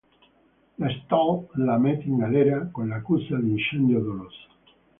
La Stahl la mette in galera con l'accusa di incendio doloso.